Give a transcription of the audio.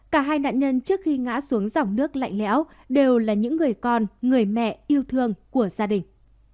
cả hai nạn nhân trước khi ngã xuống dòng nước lạnh lẽo đều là những người con người mẹ yêu thương của gia đình